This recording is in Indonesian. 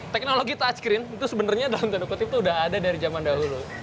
teknologi touch screen itu sebenarnya dalam tanda kutip itu udah ada dari zaman dahulu